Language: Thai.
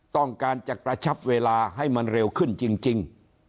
ต้องการจะกระชับเวลาให้มันเร็วขึ้นจริง